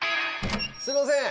すいません。